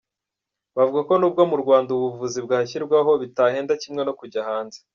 Bavuga ko nubwo mu Rwanda ubu buvuzi bwashyirwaho bitabahenda kimwe no kujya hanze.